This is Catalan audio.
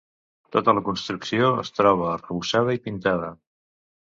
Tota la construcció es troba arrebossada i pintada.